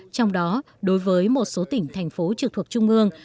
trong đó đối với một số tỉnh thành phố trực thuộc trung ương